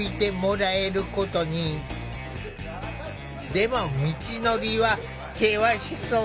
でも道のりは険しそう。